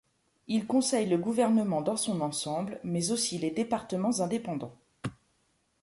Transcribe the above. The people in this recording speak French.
Il conseille le gouvernement dans son ensemble, mais aussi les départements indépendants.